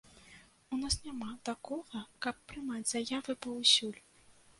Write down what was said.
У нас няма такога, каб прымаць заявы паўсюль.